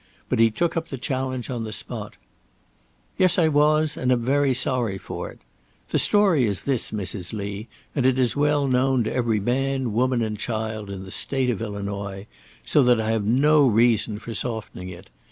But he took up the challenge on the spot: "Yes, I was, and am very sorry for it. The story is this, Mrs. Lee; and it is well known to every man, woman, and child in the State of Illinois, so that I have no reason for softening it.